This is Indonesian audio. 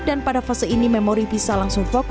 dan pada fase ini memori bisa langsung dihidupkan